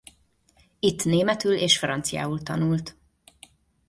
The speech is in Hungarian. Itt németül és franciául tanult.